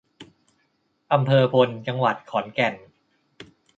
อำเภอพล จังหวัดขอนแก่น